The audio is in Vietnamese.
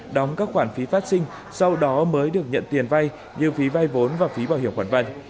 đóng các khoản phí phát sinh sau đó mới được nhận tiền vay như phí vay vốn và phí bảo hiểm khoản vay